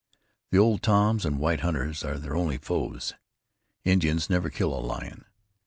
The old Toms and white hunters are their only foes. Indians never kill a lion.